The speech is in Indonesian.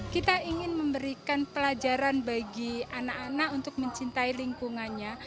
kita ingin memberikan pelajaran bagi anak anak untuk mencintai lingkungannya